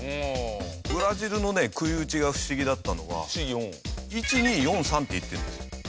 ブラジルのね杭打ちが不思議だったのは１２４３っていってるんですよ。